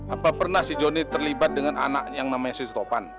apa pernah si joni terlibat dengan anak yang namanya si topan